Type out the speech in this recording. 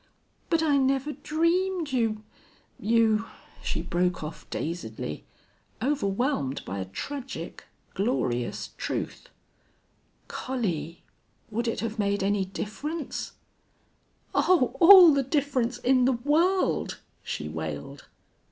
"But I never dreamed you you " She broke off dazedly, overwhelmed by a tragic, glorious truth. "Collie!... Would it have made any difference?" "Oh, all the difference in the world!" she wailed.